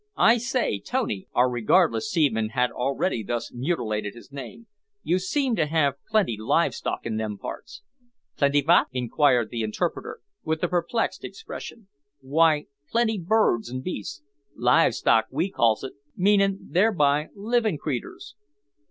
"I say, Tony," (our regardless seaman had already thus mutilated his name), "you seem to have plenty live stock in them parts." "Plenty vat?" inquired the interpreter, with a perplexed expression. "Why, plenty birds and beasts, live stock we calls it, meanin' thereby livin' creeturs."